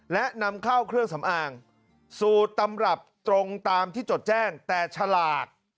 และนำเข้าเครื่องสำอางสูตรตำรับตรงตามที่จดแจ้งแต่ฉลาก